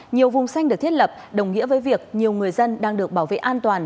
nhiều vùng xanh được thiết lập đồng nghĩa với việc nhiều người dân đang được bảo vệ an toàn